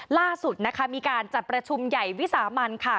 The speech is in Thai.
ล่าสุดนะคะมีการจัดประชุมใหญ่วิสามันค่ะ